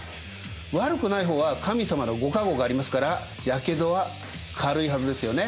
悪くない方は神様の御加護がありますからやけどは軽いはずですよね。